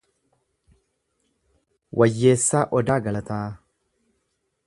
Wayyeessaa Odaa Galataa